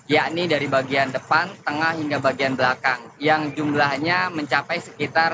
yakni dari bagian depan tengah hingga bagian belakang yang jumlahnya mencapai sekitar